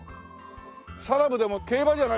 サラブでも競馬じゃないでしょ？